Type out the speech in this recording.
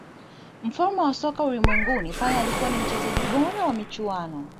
mfalme wa soka ulimwenguni pele alikuwa ni mchezaji bora wa michuano